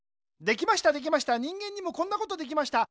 できましたできました人間にもこんなことできました。